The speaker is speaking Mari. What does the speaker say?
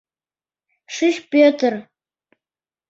— Шич, Пӧтыр.